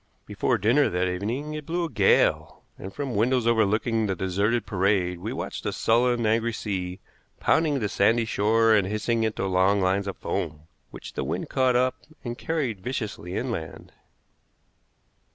Before dinner that evening it blew a gale, and from windows overlooking the deserted parade we watched a sullen, angry sea pounding the sandy shore and hissing into long lines of foam, which the wind caught up and carried viciously inland.